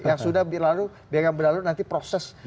yang sudah berlalu dia akan berlalu nanti proses